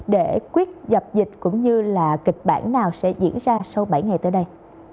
để quyết dập dịch cũng như là kịch bản nào sẽ diễn ra sau bảy ngày tới đây